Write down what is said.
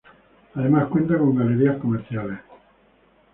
Además, cuenta con galerías comerciales.